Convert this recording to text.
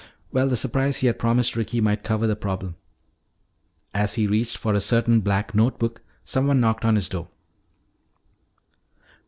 Well, the surprise he had promised Ricky might cover the problem. As he reached for a certain black note book, someone knocked on his door.